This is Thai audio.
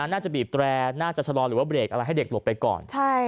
น่าจะบีบแตรน่าจะชะลอหรือว่าเบรกอะไรให้เด็กหลบไปก่อน